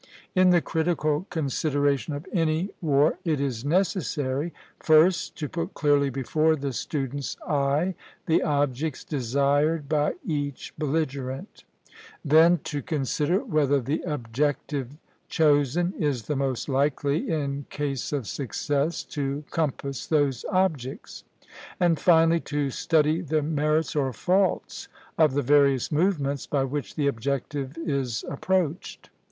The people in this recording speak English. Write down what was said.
In the critical consideration of any war it is necessary, first, to put clearly before the student's eye the objects desired by each belligerent; then, to consider whether the objective chosen is the most likely, in case of success, to compass those objects; and finally, to study the merits or faults of the various movements by which the objective is approached.